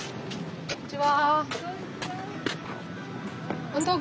こんにちは。